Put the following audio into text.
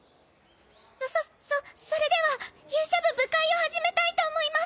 そそそそれでは勇者部部会を始めたいと思います。